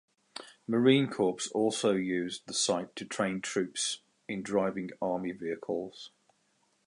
Marine Corps also used the site to train troops in driving army vehicles.